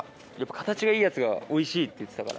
形がいいやつがおいしいって言ってたから。